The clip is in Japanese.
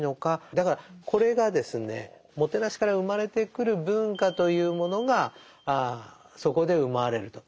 だからこれがですねもてなしから生まれてくる文化というものがそこで生まれると。